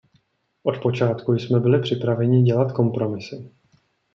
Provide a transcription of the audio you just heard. Od počátku jsme byli připraveni dělat kompromisy.